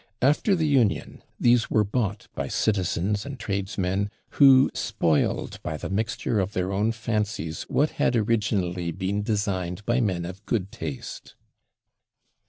After the Union these were bought by citizens and tradesmen, who spoiled, by the mixture of their own fancies, what had originally been designed by men of good taste.